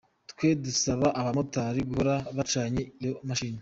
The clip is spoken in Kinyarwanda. twe dusaba abamotari guhora bacanye iyo mashini.